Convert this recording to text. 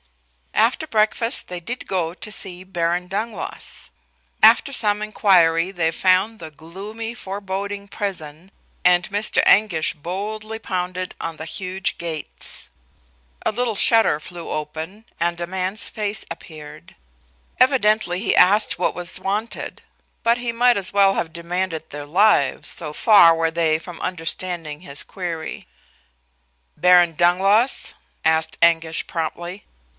After breakfast they did go to see the Baron Dangloss. After some inquiry they found the gloomy, foreboding prison, and Mr. Anguish boldly pounded on the huge gates. A little shutter flew open, and a man's face appeared. Evidently he asked what was wanted, but he might as well have demanded their lives, so far were they from understanding his query. "Baron Dangloss?" asked Anguish, promptly.